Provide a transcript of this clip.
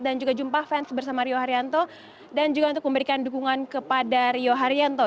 dan juga jumpa fans bersama rio haryanto dan juga untuk memberikan dukungan kepada rio haryanto